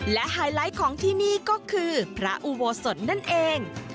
และไฮไลท์ของที่นี่ก็คือพระอุโบสถนั่นเอง